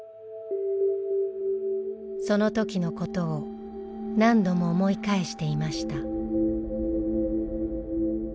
その時のことを何度も思い返していました。